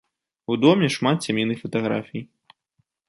У доме шмат сямейных фатаграфій.